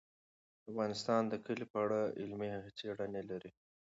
افغانستان د کلي په اړه علمي څېړنې لري.